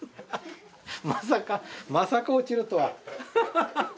まさかまさか落ちるとは。